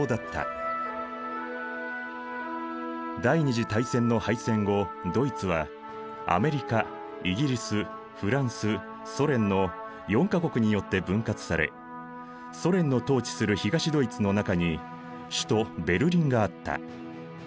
第二次大戦の敗戦後ドイツはアメリカイギリスフランスソ連の４か国によって分割されソ連の統治する東ドイツの中に首都ベルリンがあった。